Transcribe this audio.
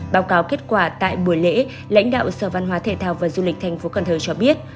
báo cáo kết quả tại buổi lễ lãnh đạo sở văn hóa thể thao và du lịch thành phố cần thơ cho biết